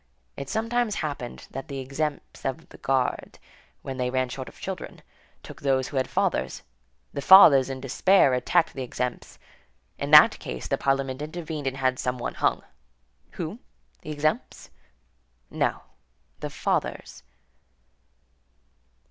It sometimes happened that the exempts of the guard, when they ran short of children, took those who had fathers. The fathers, in despair, attacked the exempts. In that case, the parliament intervened and had some one hung. Who? The exempts? No, the fathers.